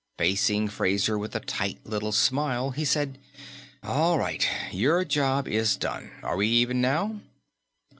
Facing Fraser with a tight little smile, he said: "All right. Your job is done. Are we even now?"